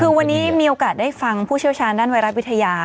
คือวันนี้มีโอกาสได้ฟังผู้เชี่ยวชาญด้านไวรัสวิทยา